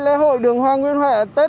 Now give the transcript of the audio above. lễ hội đường hoa nguyễn huệ